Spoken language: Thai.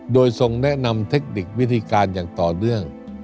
โดยทรงแนะนำเทคนิควิธีการอย่างต่อเนื่อง